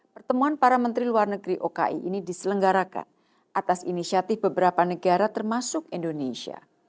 pertemuan para menteri luar negeri oki ini diselenggarakan atas inisiatif beberapa negara termasuk indonesia